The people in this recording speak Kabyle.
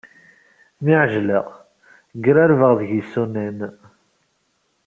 Mi ɛejleɣ, grarbeɣ deg yisunan.